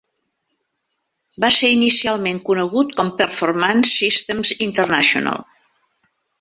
Va ser inicialment conegut com performance Systems International.